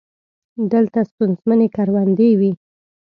دلته ستونزمنې کروندې وې.